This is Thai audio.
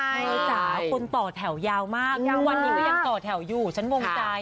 ใช่จ๋าคนต่อแถวยาวมากทุกวันนี้ก็ยังต่อแถวอยู่ฉันวงใจ